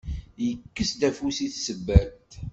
Yekkes-d afus i tsebbalt.